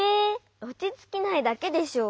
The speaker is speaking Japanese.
おちつきないだけでしょ。